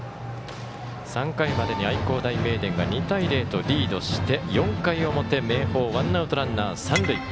３回までに愛工大名電が２対０とリードして、４回表、明豊ワンアウト、ランナー、三塁。